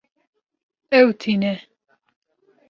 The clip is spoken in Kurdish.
Ew tîne